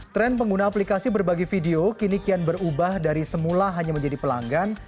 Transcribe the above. tren pengguna aplikasi berbagi video kini kian berubah dari semula hanya menjadi pelanggan